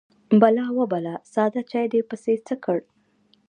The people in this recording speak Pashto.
_بلا ، وه بلا! ساده چاې دې پسې څه کړ؟